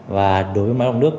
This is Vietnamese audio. và đối với máy đọc nước